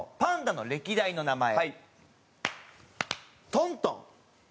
トントン。